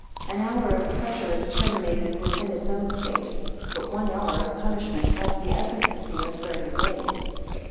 An hour of pleasure is terminated within its own space: but one hour of punishment has the efficacy of thirty days.